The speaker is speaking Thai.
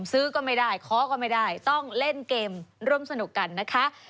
ซื้อก็ไม่ได้ขอก็ไม่ได้ต้องเล่นเกมร่วมสนุกกันนะคะ